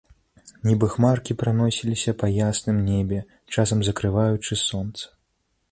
Нібы хмаркі праносіліся па ясным небе, часам закрываючы сонца.